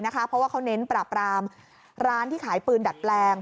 เพราะว่าเขาเน้นปราบรามร้านที่ขายปืนดัดแปลง